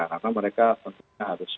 karena mereka tentunya harus